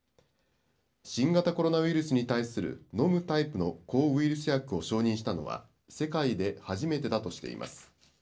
新型コロナウイルスに対する飲むタイプの抗ウイルス薬を承認したのは世界で初めてだとしています。